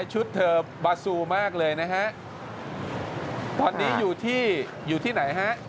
ชุดเธอบาซูมากเลยนะฮะตอนนี้อยู่ที่อยู่ที่ไหนฮะ